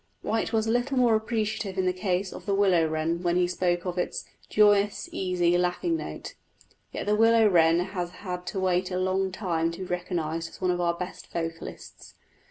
White was a little more appreciative in the case of the willow wren when he spoke of its "joyous, easy, laughing note"; yet the willow wren has had to wait a long time to be recognised as one of our best vocalists.